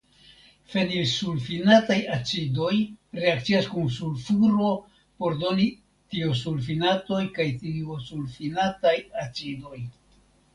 Fenilsulfinataj acidoj reakcias kun sulfuro por doni tiosulfinatoj kaj tiosulfinataj acidoj.